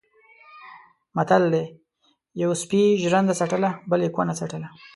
متل دی: یوه سپي ژرنده څټله بل یې کونه څټله.